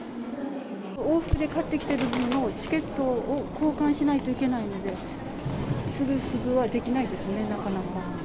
往復で買ってきている分のチケットを交換しないといけないので、すぐにはできないですね、なかなか。